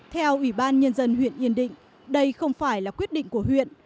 theo ủy ban nhân dân huyện yên định đây không phải là quyết định của huyện